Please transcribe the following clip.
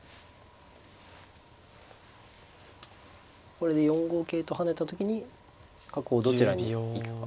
これで４五桂と跳ねた時に角をどちらに行くか。